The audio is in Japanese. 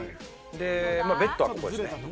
ベッドはここですね。